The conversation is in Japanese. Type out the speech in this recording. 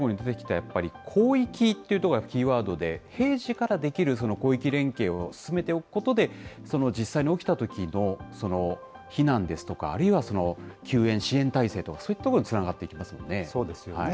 やっぱり、広域っていうところがやっぱりキーワードで、平時からできる広域連携を進めておくことで、その実際に起きたときの避難ですとか、あるいは救援、支援体制と、そういったことにつながっていきますそうですよね。